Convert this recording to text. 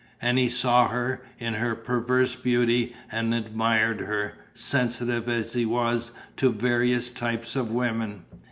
And he saw her, in her perverse beauty, and admired her, sensitive as he was to various types of women.